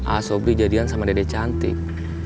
asobri jadian sama dede cantik